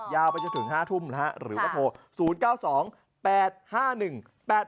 ยาวไปจนถึง๕ทุ่มนะฮะหรือว่าโทร๐๙๒๘๕๑๘๖๗๔ครับ